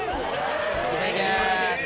いただきます。